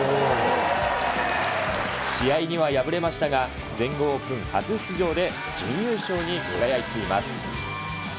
試合には敗れましたが、全豪オープン初出場で準優勝に輝いています。